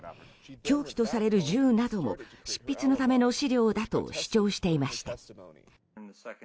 凶器とされる銃なども執筆のための資料だと主張していました。